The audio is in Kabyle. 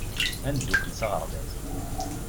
Ad neddukkel s aɣerbaz.